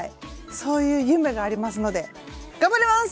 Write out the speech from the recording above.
そういう夢がありますので頑張ります！